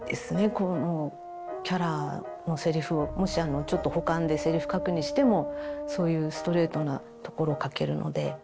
このキャラのセリフをもしちょっと補完でセリフ書くにしてもそういうストレートなところを書けるので。